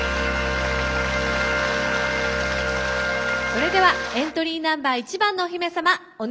それではエントリーナンバー１番のお姫様お願いします。